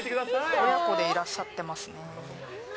親子でいらっしゃってますね。